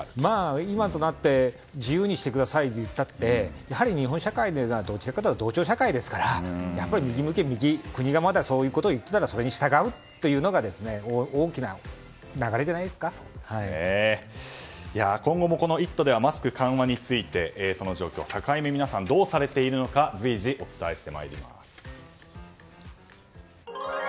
今となって自由にしてくださいと言ったってやはり日本社会は同調社会ですから右向けば右国がまだそういうことを言っていたらそれに従うということが今後も「イット！」ではマスク緩和についてその境目をどうしているかお伝えします。